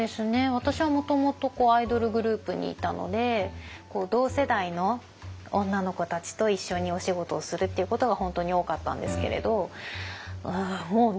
私はもともとアイドルグループにいたので同世代の女の子たちと一緒にお仕事をするっていうことが本当に多かったんですけれどもうみんな尊敬ですね。